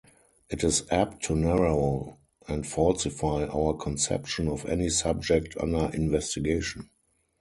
It is apt to narrow and falsify our conception of any subject under investigation.